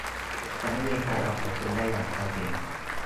จะไม่มีใครเอาเปรียบคุณได้อย่างแท้จริง